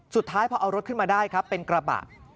สุดท้ายพอเอารถขึ้นมาได้ครับเป็นกระบะ